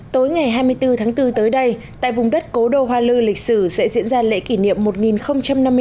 tối ngày hai mươi bốn tháng bốn tới đây tại vùng đất cố đô hoa lư lịch sử sẽ diễn ra lễ kỷ niệm một nghìn năm mươi năm